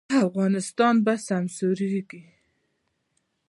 افغانستان به سمسوریږي؟